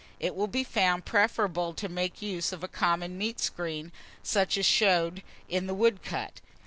It will be found preferable to make use of a common meat screen, such as is shown in the woodcut.